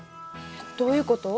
どういうこと？